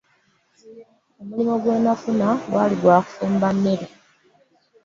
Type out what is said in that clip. Omulimu gwe nafuna gwali gwa kufumba mmere.